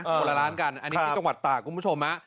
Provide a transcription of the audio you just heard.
บรรละร้านกันอันนี้เป็นจังหวัดตาคุณผู้ชมนะ